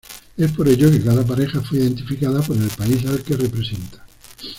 Es por ello que cada pareja fue identificada por el país al que representa.